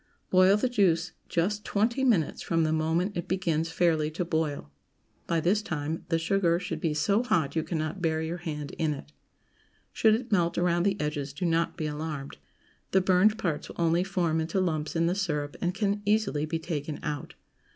Boil the juice just twenty minutes from the moment it begins fairly to boil. By this time the sugar should be so hot you cannot bear your hand in it. Should it melt around the edges, do not be alarmed. The burned parts will only form into lumps in the syrup, and can easily be taken out.